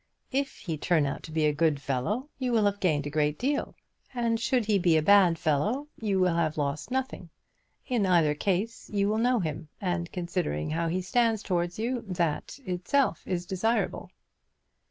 "If he turn out to be a good fellow, you will have gained a great deal. And should he be a bad fellow, you will have lost nothing. In either case you will know him, and considering how he stands towards you, that itself is desirable."